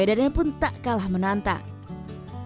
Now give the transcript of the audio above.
dan pun tak kalah menantang